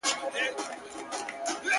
o چا ویل چي خدای د انسانانو په رکم نه دی ـ